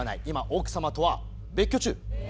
今奥様とは別居中。